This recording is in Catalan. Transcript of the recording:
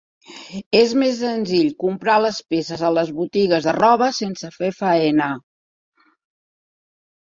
És més senzill comprar les peces a les botigues de roba, sense fer faena.